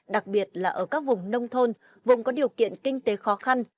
đặc biệt là ở các vùng nông thôn vùng có điều kiện kinh tế khó khăn